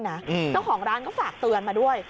เจ้าของร้านก็ฝากเตือนมาด้วย